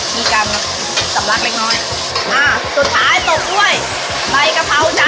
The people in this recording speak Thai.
มีการสำลักเล็กน้อยอ่าสุดท้ายตกด้วยใบกะเพราจ้